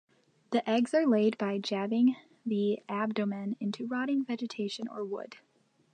The eggs are laid by jabbing the abdomen into rotting vegetation or wood.